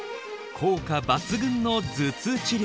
効果抜群の頭痛治療。